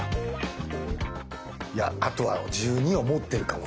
いやあとは１２を持ってるかもしれない。